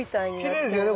きれいですよね